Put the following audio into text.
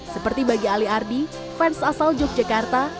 seperti bagi ali ardi fans asal yogyakarta